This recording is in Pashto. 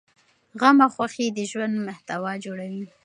غم او خوښي د ژوند محتوا جوړوي.